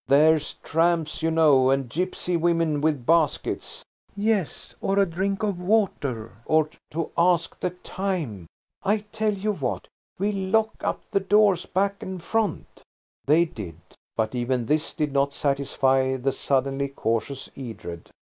There's tramps, you know, and gipsy women with baskets." "Yes–or drink of water, or to ask the time. I'll tell you what–we'll lock up the doors, back and front." They did. But even this did not satisfy the suddenly cautious Edred.